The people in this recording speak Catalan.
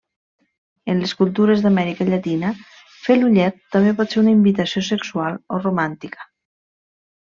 En les cultures d'Amèrica llatina, fer l'ullet també pot ser una invitació sexual o romàntica.